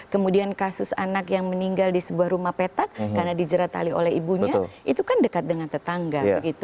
kemudian kasus anak yang meninggal di sebuah rumah petak karena dijerat tali oleh ibunya itu kan dekat dengan tetangga